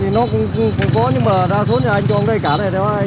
thì nó cũng có nhưng mà ra số nhà anh cho ông đây cả này đó